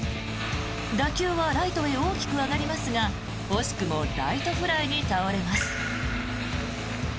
打球はライトへ大きく上がりますが惜しくもライトフライに倒れます。